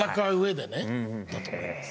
だと思います。